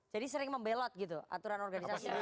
jadi sering membelot gitu aturan organisasi